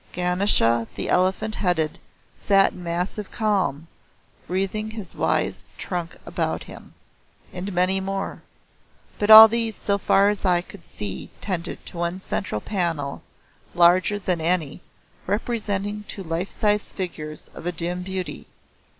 Ganesha the Elephant Headed, sat in massive calm, wreathing his wise trunk about him. And many more. But all these so far as I could see tended to one centre panel larger than any, representing two life size figures of a dim beauty.